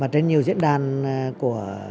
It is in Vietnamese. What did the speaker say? trên nhiều diễn đàn của quốc gia